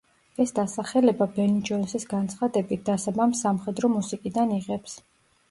ეს დასახელება ბენი ჯონსის განცხადებით, დასაბამს სამხედრო მუსიკიდან იღებს.